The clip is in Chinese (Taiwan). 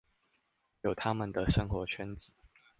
有他們的生活圈子